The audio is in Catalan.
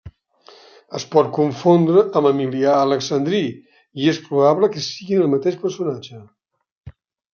Es pot confondre amb Emilià Alexandrí, i és probable que siguin el mateix personatge.